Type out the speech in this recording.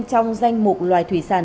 trong danh mục loài thủy sản